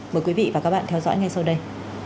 mời quý vị và các bạn theo dõi ngay sau đây